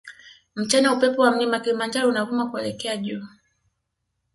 Mchana upepo wa mlima kilimanjaro unavuma kuelekea juu